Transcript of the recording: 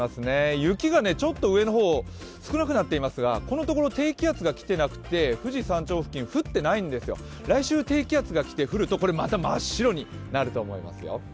雪がちょっと上の方、少なくなっていますが、このところ低気圧が来てなくて富士山頂付近、降ってないんですよ、来週低気圧が来て降るとまた真っ白になると思いますよ。